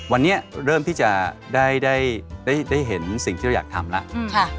วันนี้เริ่มที่จะได้เห็นสิ่งที่เราอยากทำแล้ว